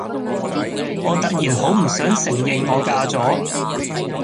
我突然好唔想承認我嫁咗